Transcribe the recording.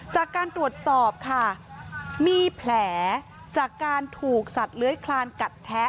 จากการตรวจสอบค่ะมีแผลจากการถูกสัตว์เลื้อยคลานกัดแท้